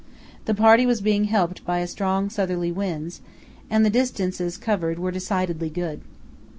The party was being helped by strong southerly winds, and the distances covered were decidedly good.